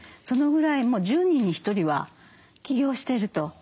そのぐらい１０人に１人は起業していると。